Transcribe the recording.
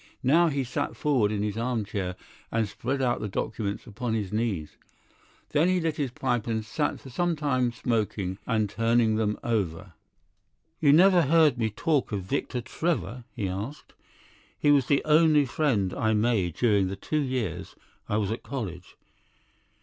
Now he sat forward in this armchair and spread out the documents upon his knees. Then he lit his pipe and sat for some time smoking and turning them over. "You never heard me talk of Victor Trevor?" he asked. "He was the only friend I made during the two years I was at college.